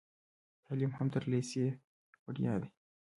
تعلیم هم تر لیسې وړیا دی.